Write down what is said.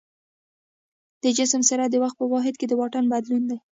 د جسم سرعت د وخت په واحد کې د واټن بدلون دی.